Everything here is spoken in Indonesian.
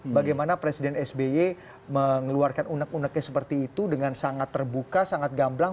bagaimana presiden sby mengeluarkan unek uneknya seperti itu dengan sangat terbuka sangat gamblang